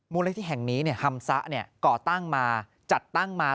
มูลนิธิแห่งนี้ฮัมซะก่อตั้งมาจัดตั้งมา